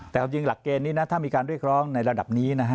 แต่เอาจริงหลักเกณฑ์นี้นะถ้ามีการเรียกร้องในระดับนี้นะฮะ